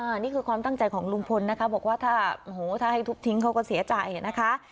อันนี้คือความตั้งใจของลุงพลนะคะบอกว่าถ้าโอ้โหถ้าให้ทุบทิ้งเขาก็เสียใจนะคะ